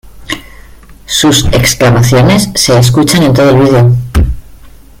Sus exclamaciones se escuchan en todo el video.